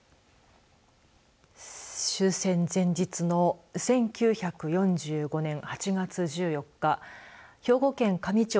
終戦前日の１９４５年８月１４日兵庫県加美町